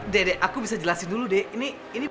dede aku bisa jelasin dulu de ini ini